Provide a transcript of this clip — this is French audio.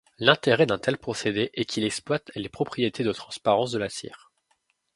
L'intérêt d'un tel procédé est qu'il exploite les propriétés de transparence de la cire.